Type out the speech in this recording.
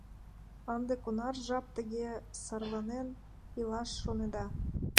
— Ынде кунар жап тыге сарланен илаш шонеда?